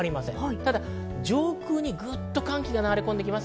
ただ上空にぐっと寒気が流れ込んできます。